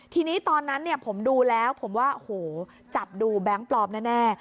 ทีนี้ตอนนั้นผมดูแล้วผมว่าโอ้โหจับดูแบงค์ปลอมแน่